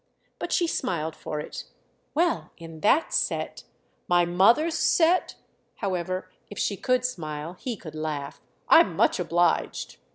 But she smiled for it. "Well, in that set——!" "My mother's set?" However, if she could smile he could laugh. "I'm much obliged!"